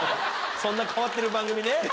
そんな変わってる番組ね。